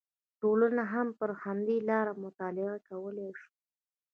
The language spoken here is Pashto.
ټولنه هم پر همدې لاره مطالعه کولی شو